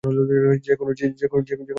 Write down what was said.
যে কোনো শিশুই ওটা করতে পারে।